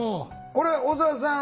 これ小沢さん